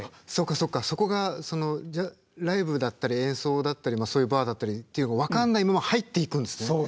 あそうかそうかそこがライブだったり演奏だったりのそういうバーだったりっていうの分かんないまま入っていくんですね。